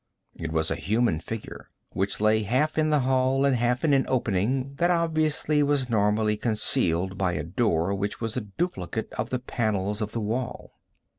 It was a human figure, which lay half in the hall and half in an opening that obviously was normally concealed by a door which was a duplicate of the panels of the wall.